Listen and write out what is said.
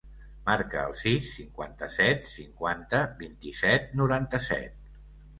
Marca el sis, cinquanta-set, cinquanta, vint-i-set, noranta-set.